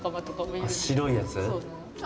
大体あっ白いやつ？